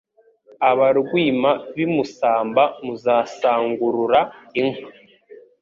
Abarwima b’i Musamba, Muzasangurura inka